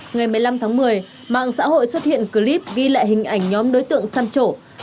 ngày một mươi năm tháng một mươi mạng xã hội xuất hiện clip ghi lại hình ảnh nhóm đối tượng săn trổ